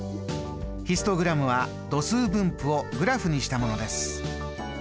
ヒストグラムは度数分布をグラフにしたものです。